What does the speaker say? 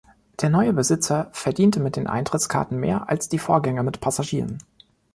Der neue Besitzer verdiente mit den Eintrittskarten mehr als die Vorgänger mit Passagieren.